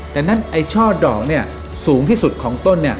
แต่ฉ่อดอกสูงที่สุดของต้น